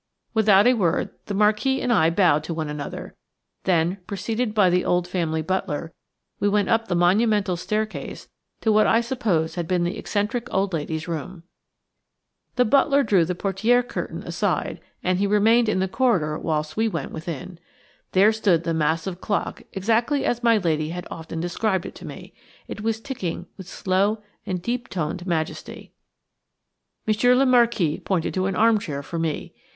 Without a word the Marquis and I bowed to one another, then, preceded by the old family butler, we went up the monumental staircase to what I suppose had been the eccentric old lady's room. The butler drew the portière curtain aside and he remained in the corridor whilst we went within. There stood the massive clock exactly as my lady had often described it to me. It was ticking with slow and deep toned majesty. Monsieur le Marquis pointed to an armchair for me.